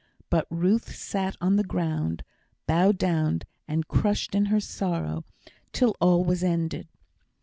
But Ruth sat on the ground, bowed down and crushed in her sorrow, till all was ended.